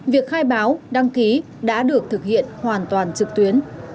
việc khai báo đăng ký đã được thực hiện hoàn toàn trực tuyến